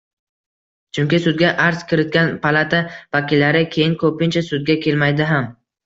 Chunki sudga arz kiritgan palata vakillari keyin ko‘pincha sudga kelmaydi ham.